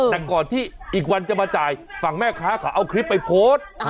แต่ก่อนที่อีกวันจะมาจ่ายฝั่งแม่ค้าเขาเอาคลิปไปโพสต์